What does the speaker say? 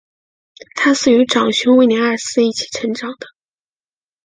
她是与长兄威廉二世一起成长的。